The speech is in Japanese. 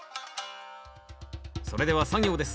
それでは作業です。